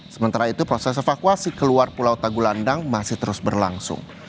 sementara itu proses evakuasi keluar pulau tagulandang masih terus berlangsung